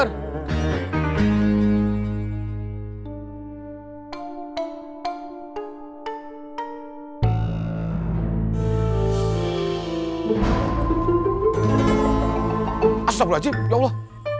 astagfirullahaladzim ya allah